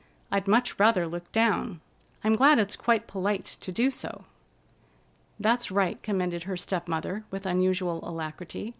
"I'd much rather look down. I'm glad it's quite polite to do so." "That's right," commended her step mother, with unusual alacrity.